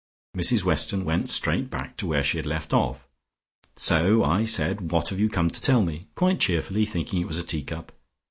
Mrs Weston went straight back to where she had left off. "So I said, 'What have you come to tell me?' quite cheerfully, thinking it was a tea cup.